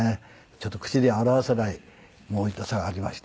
ちょっと口では表せない痛さがありまして。